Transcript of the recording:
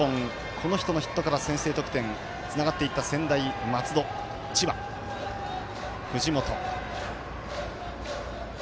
この人のヒットから先制得点、つながっていった専大松戸、千葉、藤本。